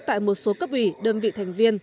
tại một số cấp quỳ đơn vị thành viên